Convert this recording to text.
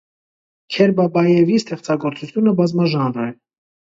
Քերբաբաևի ստեղծագործությունը բազմաժանր է։